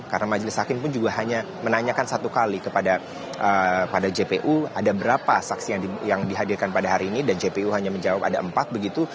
karena majelis hakim pun juga hanya menanyakan satu kali kepada jpu ada berapa saksi yang dihadirkan pada hari ini dan jpu hanya menjawab ada empat begitu